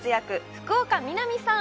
福岡みなみさん。